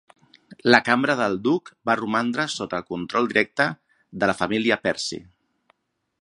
La cambra del duc va romandre sota el control directe de la família Percy.